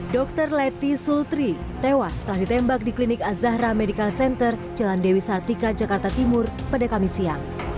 dr leti sultri tewas setelah ditembak di klinik azahra medical center jalan dewi sartika jakarta timur pada kamis siang